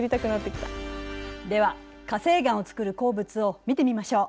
では火成岩をつくる鉱物を見てみましょう。